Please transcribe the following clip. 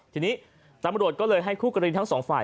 ทีนี้ตำรวจก็เลยให้คู่กรณีทั้งสองฝ่าย